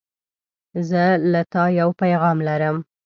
زه له تا یو پیغام لرم.